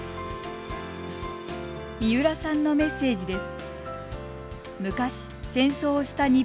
三浦さんのメッセージです。